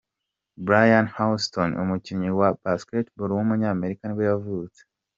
Byron Houston, umukinnyi wa basketball w’umunyamerika nibwo yavutse.